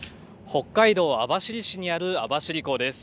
北海道網走市にある網走港です。